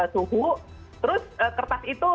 suhu terus kertas itu